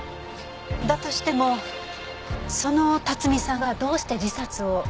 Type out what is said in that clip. だとしてもその辰巳さんがどうして自殺を？